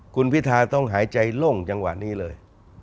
คุณพิทาต้องหายใจโล่งจังหวะนี้เลย